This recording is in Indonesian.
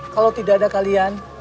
kalau tidak ada kalian